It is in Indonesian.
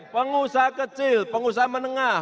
pengusaha kecil pengusaha menengah